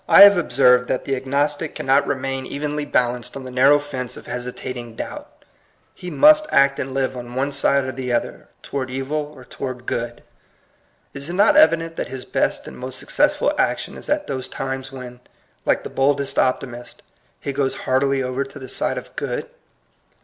I have ob served that the agnostic cannot remain vi INTBODUCTION. evenly balanced on the narrow fence of hesitating doubt. He must act and live on one side or the other, toward eyil or toward good. Is it not evident that his best and most successful action is at those times when, like the boldest optimist, he goes heartily over to the side of good?